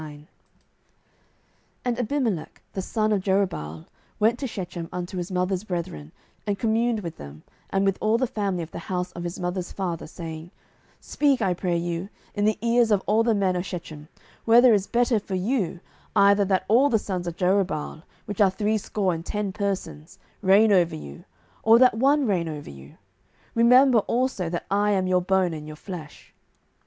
07:009:001 And Abimelech the son of Jerubbaal went to Shechem unto his mother's brethren, and communed with them, and with all the family of the house of his mother's father, saying, 07:009:002 Speak, I pray you, in the ears of all the men of Shechem, Whether is better for you, either that all the sons of Jerubbaal, which are threescore and ten persons, reign over you, or that one reign over you? remember also that I am your bone and your flesh.